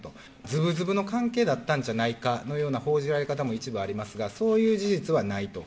ずぶずぶの関係だったんじゃないかというような報じられ方も一部ありますが、そういう事実はないと。